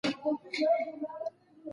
ماشوم په خوښۍ سره بیرته خونې ته راغی.